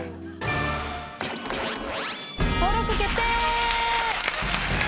登録決定！